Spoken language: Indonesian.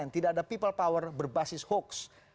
tidak ada people power berbasis hoax